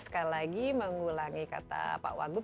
sekali lagi mengulangi kata pak wagub